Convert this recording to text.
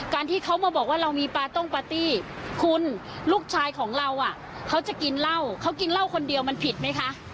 การที่เขามาบอกว่าเรามีปาต้งปาร์ตี้คุณลูกชายของเราเขาจะกินเหล้าเขากินเหล้าคนเดียวมันผิดไหมคะ